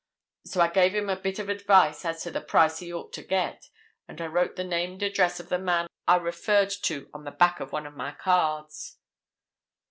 So I gave him a bit of advice as to the price he ought to get, and I wrote the name and address of the man I referred to on the back of one of my cards."